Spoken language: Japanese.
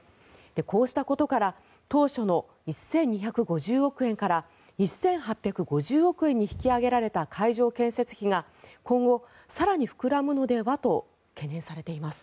こうしたことから当初の１２５０億円から１８５０億円に引き上げられた会場建設費が今後、更に膨らむのではと懸念されています。